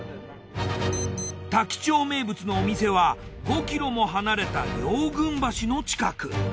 多気町名物のお店は５ｋｍも離れた両郡橋の近く。